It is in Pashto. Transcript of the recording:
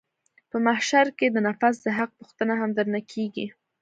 په محشر کښې د نفس د حق پوښتنه هم درنه کېږي.